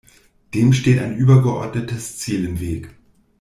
Dem steht ein übergeordnetes Ziel im Weg.